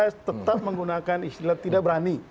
saya tetap menggunakan istilah tidak berani